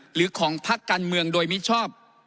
หรือของภาคกันเมืองโดยมิชชอบ